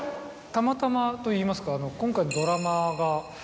たまたまといいますか今回の。